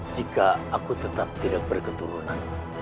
jika aku tetap tidak berketurunan